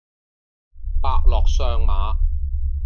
伯樂相馬